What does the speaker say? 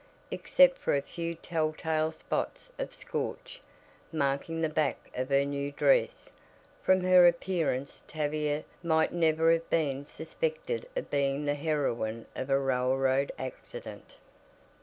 Except for a few tell tale spots of "scorch" marking the back of her new dress, from her appearance Tavia might never have been suspected of being the heroine of a railroad accident.